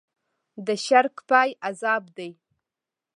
د شرک پای عذاب دی.